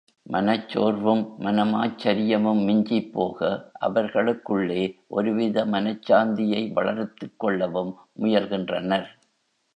மனச்சோர்வும் மன மாச்சரியமும் மிஞ்சிப்போக, அவர்களுக்குள்ளே ஒருவித மனச்சாந்தியை வளர்த்துக் கொள்ளவும் முயல்கின்றனர்.